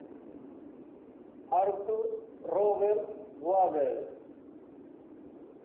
Arthur Robert Waddell'.